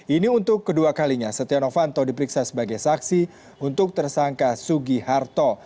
ini untuk kedua kalinya setia novanto diperiksa sebagai saksi untuk tersangka sugi harto